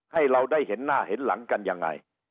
ให้เราได้เห็นหน้าเห็นหลังกันยังไง